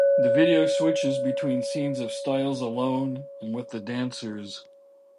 The video switches between scenes of Styles alone and with the dancers.